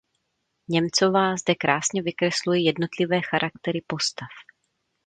Němcová zde krásně vykresluje jednotlivé charaktery postav.